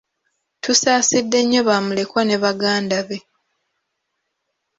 Tusaasidde nnyo bamulekwa ne Baganda be.